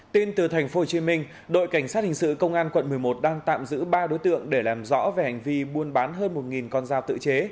tin từ tp hcm đội cảnh sát hình sự công an quận một mươi một đang tạm giữ ba đối tượng để làm rõ về hành vi buôn bán hơn một con dao tự chế